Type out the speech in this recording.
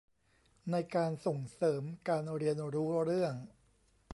ในการส่งเสริมการเรียนรู้เรื่อง